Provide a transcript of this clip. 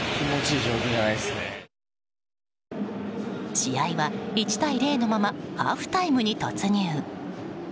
試合は１対０のままハーフタイムに突入。